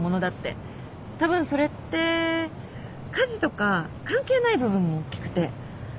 たぶんそれって家事とか関係ない部分も大きくて。